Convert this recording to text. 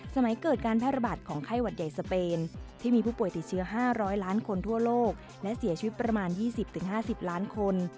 เกิดการแพร่ระบาดของไข้หวัดใหญ่สเปนที่มีผู้ป่วยติดเชื้อ๕๐๐ล้านคนทั่วโลกและเสียชีวิตประมาณ๒๐๕๐ล้านคน